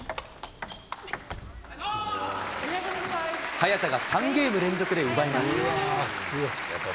早田が３ゲーム連続で奪います。